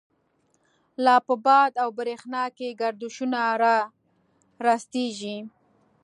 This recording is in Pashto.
لا په باد او برَښنا کی، گردشونه را رستیږی